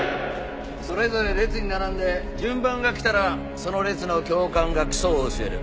それぞれ列に並んで順番が来たらその列の教官が基礎を教える。